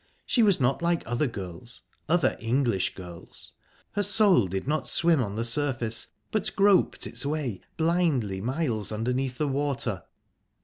She was not like other girls other English girls. Her soul did not swim on the surface, but groped its way blindly miles underneath the water...